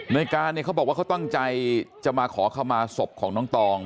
ในการเนี่ยเขาบอกว่าเขาตั้งใจจะมาขอขมาศพของน้องตอง